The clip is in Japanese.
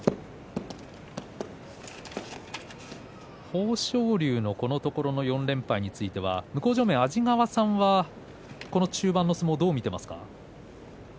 豊昇龍のこのところの４連敗については安治川さんはどう見ていますか。